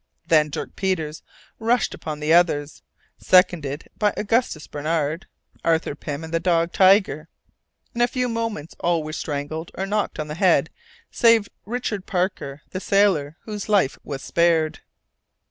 Then Dirk Peters rushed upon the others, seconded by Augustus Barnard, Arthur Pym, and the dog Tiger. In a few moments all were strangled or knocked on the head, save Richard Parker, the sailor, whose life was spared.